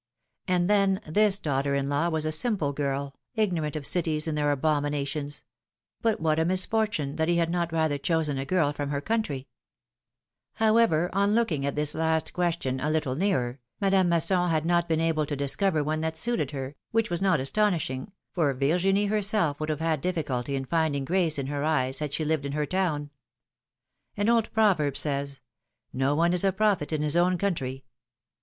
And then, this daughter in law was a simple girl, ignorant of cities and their abominations; but what a misfortune that he had not rather chosen a girl from her country ! However, on looking at this last ques tion a little nearer, Madame Masson had not been able to philom^:ne^s marriages. 279 discover one that suited her, which was not astonishing, for Virginie herself would have had difficulty in finding grace in her eyes had she lived in her town. An old proverb says : ^^No one is a prophet in his own country.